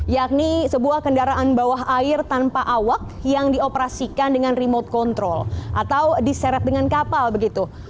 yakni sebuah kendaraan bawah air tanpa awak yang dioperasikan dengan remote control atau diseret dengan kapal begitu